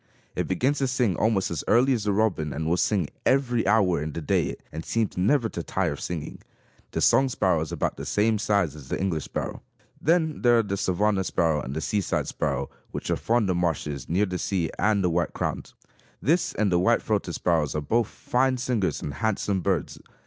It begins to sing almost as early as the robin and will sing every hour in the day and seems never to tire of singing. The song sparrow is about the same size as the English sparrow. Then there are the savanna sparrow and the seaside sparrow which are fond of marshes, near the sea; and the white crowned. This and the white throated sparrows are both fine singers and handsome birds.